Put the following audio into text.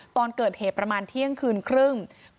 ตอนเกิดเหตุประมาณเที่ยงคืนครึ่ง